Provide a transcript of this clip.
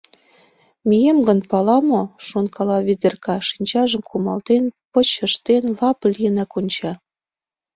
Мием гын, пала мо?» — шонкала Ведерка, шинчажым кумалтен, пыч ыштен, лап лийынак онча.